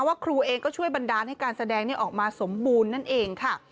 ครูเองก็ช่วยบันดาลให้การแสดงออกมาสมบูรณ์นั่นเองค่ะ